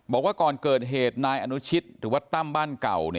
บอกว่าก่อนเกิดเหตุนายอนุชิตหรือว่าตั้มบ้านเก่า